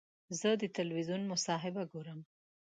زه د تلویزیون مصاحبه ګورم.